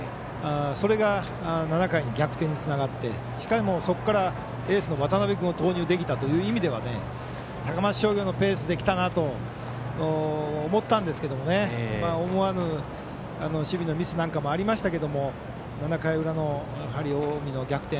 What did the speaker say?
それが７回の逆転につながってしかも、そこからエースの渡辺君を投入できたという意味では高松商業のペースできたなと思ったんですけれども、思わぬ守備のミスなんかもありましたが７回裏の近江の逆転。